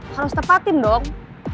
harus tepatin dong